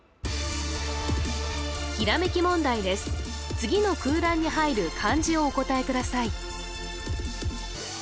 次の空欄に入る漢字をお答えください